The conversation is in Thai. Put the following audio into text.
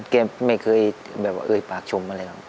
แกไม่เคยแบบว่าเอ่ยปากชมอะไรหรอก